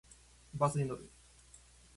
バスに乗る。